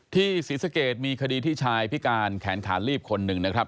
ศรีสะเกดมีคดีที่ชายพิการแขนขาลีบคนหนึ่งนะครับ